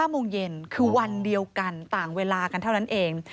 โมงเย็นคือวันเดียวกันต่างเวลากันเท่านั้นเอง